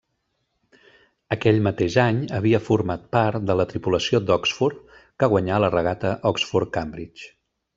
Aquell mateix any havia format part de la tripulació d'Oxford que guanyà la Regata Oxford-Cambridge.